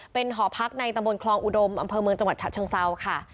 เป็นหอพักในตำบลคลองอุดมอำเภอเมืองจังหวัดฉะเชิงเซาค่ะ